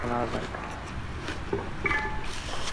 গুরুতর আহত অবস্থায় যশোর সদর হাসপাতালে নেওয়ার পথে তিনি মারা যান।